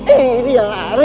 eh dia lari